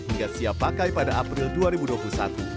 hingga siap pakai pada april dua ribu dua puluh satu